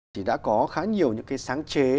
chỉ đã có khá nhiều những sáng chế